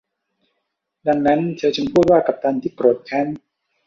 ดังนั้นเธอจึงพูดว่ากัปตันที่โกรธแค้น